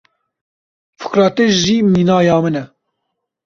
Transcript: Fikra te jî mîna ya min e.